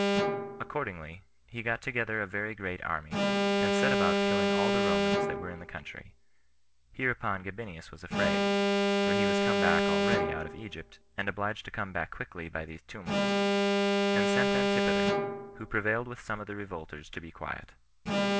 Accordingly, he got together a very great army, and set about killing all the Romans that were in the country; hereupon Gabinius was afraid, [for he was come back already out of Egypt, and obliged to come back quickly by these tumults,] and sent Antipater, who prevailed with some of the revolters to be quiet.